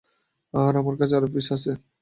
আর, আমার কাছে আরো পিস আছে।